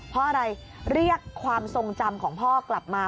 เพราะอะไรเรียกความทรงจำของพ่อกลับมา